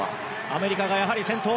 アメリカがやはり先頭。